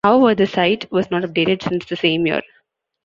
However, the site was not updated since the same year.